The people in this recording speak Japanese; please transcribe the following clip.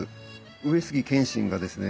上杉謙信がですね